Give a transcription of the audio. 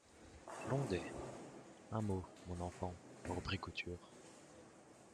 Blondet?... un mot, mon enfant, reprit Couture.